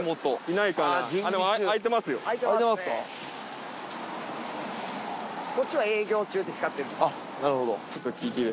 なるほど。